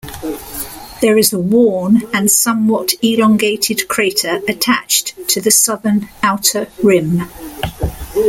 There is a worn and somewhat elongated crater attached to the southern outer rim.